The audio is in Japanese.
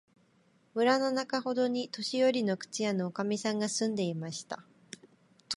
村のなかほどに、年よりの靴屋のおかみさんが住んでいました。